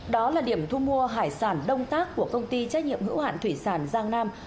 đó là điểm thu mua hải sản đông tác của công ty trách nhiệm hữu hạn thủy sản giang nam